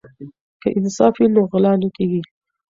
که انصاف وي نو غلا نه کیږي.